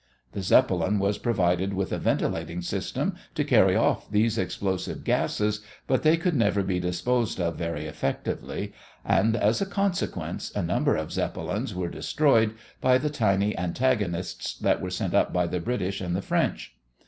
The Zeppelin was provided with a ventilating system to carry off these explosive gases, but they could never be disposed of very effectively, and, as a consequence, a number of Zeppelins were destroyed by the tiny antagonists that were sent up by the British and the French.